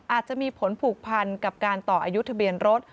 อาจจะมีผลผูกพันกับการต่ออายุทะเบียนรถ